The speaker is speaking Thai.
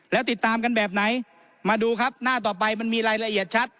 แล้วติดตามกันแบบไหนมาดูครับหน้าต่อไปมันมีรายละเอียดชัด